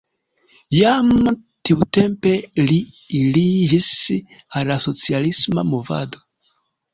Jam tiutempe li aliĝis al la socialisma movado.